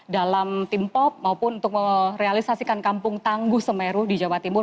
dalam tim pop maupun untuk merealisasikan kampung tangguh semeru di jawa timur